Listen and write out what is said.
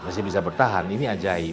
masih bisa bertahan ini ajaib